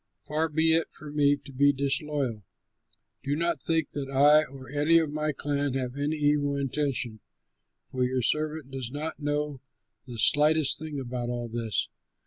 Far be it from me to be disloyal! Do not think that I or any of my clan have any evil intention, for your servant does not know the slightest thing about all this."